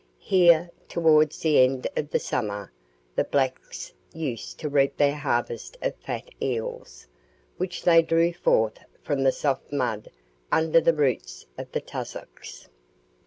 Here, towards the end of the summer, the blacks used to reap their harvest of fat eels, which they drew forth from the soft mud under the roots of the tussocks.